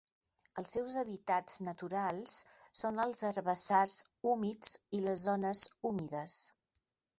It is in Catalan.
Els seus hàbitats naturals són els herbassars humits i les zones humides.